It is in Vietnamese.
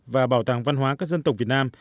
và bảo tàng văn hóa các dân tộc việt nam